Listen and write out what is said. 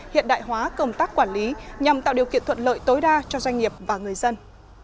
hiện đại hóa công tác quản lý nhằm tạo điều kiện thuận lợi tối đa cho doanh nghiệp và người dân